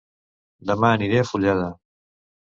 Dema aniré a Fulleda